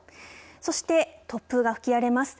そして突風が吹き荒れます。